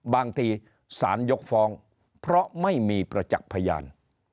บางทีสารยกฟ้องเพราะไม่มีประจักษ์พยาน